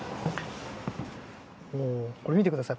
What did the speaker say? これ、見てください。